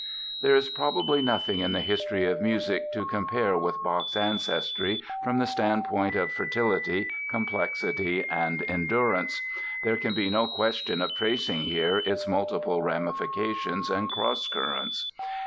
There is probably nothing in the history of music to compare with Bach's ancestry from the standpoint of fertility, complexity, and endurance. There can be no question of tracing here its multiple ramifications and cross currents.